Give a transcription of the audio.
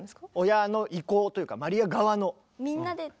親の意向というかマリア側の。